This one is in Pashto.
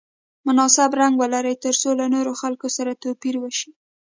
مناسب رنګ ولري ترڅو له نورو خلکو سره توپیر وشي.